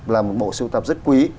là một bộ siêu tập rất quý